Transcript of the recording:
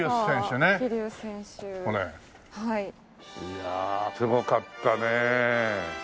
いやあすごかったねえ。